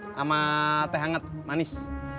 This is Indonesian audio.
sama teh hangat manis